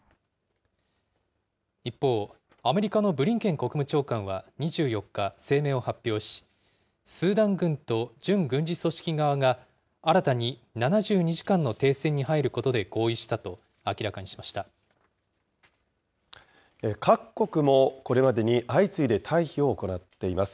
一方、アメリカのブリンケン国務長官は２４日、声明を発表し、スーダン軍と準軍事組織側が新たに７２時間の停戦に入ることで合各国もこれまでに相次いで退避を行っています。